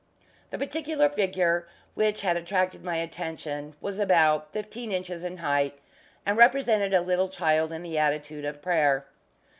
The particular figure which had attracted my attention was about fifteen inches in height, and represented a little child in the attitude of prayer.